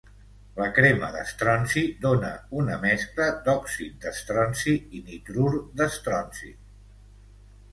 La crema d'estronci dóna una mescla d'òxid d'estronci i nitrur d'estronci.